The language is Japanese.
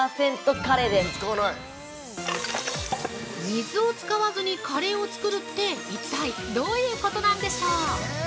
◆水を使わずにカレーを作るって一体どういうことなんでしょう。